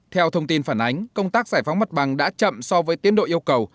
theo thông tin phản ánh công tác giải phóng mặt bằng đã chậm so với tiến độ yêu cầu